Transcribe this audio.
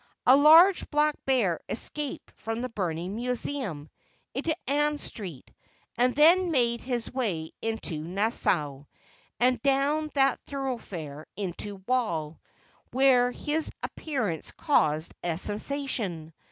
A large black bear escaped from the burning Museum into Ann Street and then made his way into Nassau, and down that thoroughfare into Wall, where his appearance caused a sensation.